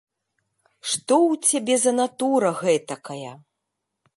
Што ў цябе за натура гэтакая?